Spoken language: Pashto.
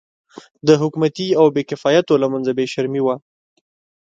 د حکومتي او بې کفایتو له منځه بې شرمي وه.